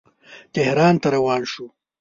تهران ته روان شو.